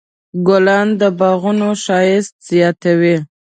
ګلان د باغونو ښایست زیاتوي.